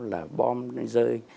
là bom rơi